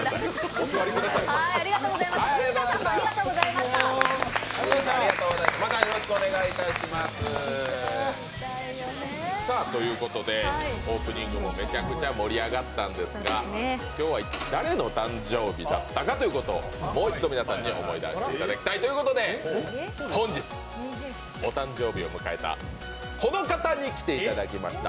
お座りください。ということでオープニングもめちゃくちゃ盛り上がったんですが今日は誰のお誕生日だったかということもう一度皆さんに思い出していただきたいということで、本日、お誕生日を迎えたこの方に来ていただきました。